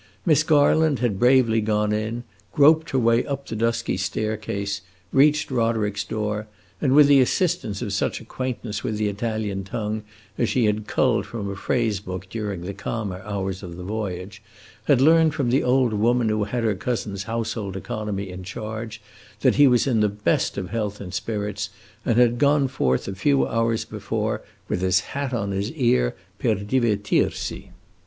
Miss Garland had bravely gone in, groped her way up the dusky staircase, reached Roderick's door, and, with the assistance of such acquaintance with the Italian tongue as she had culled from a phrase book during the calmer hours of the voyage, had learned from the old woman who had her cousin's household economy in charge that he was in the best of health and spirits, and had gone forth a few hours before with his hat on his ear, per divertirsi.